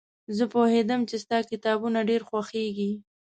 زه پوهېدم چې ستا کتابونه ډېر خوښېږي.